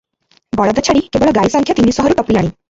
ବଳଦ ଛାଡ଼ି କେବଳ ଗାଈ ସଂଖ୍ୟା ତିନିଶହରୁ ଟପିଲାଣି ।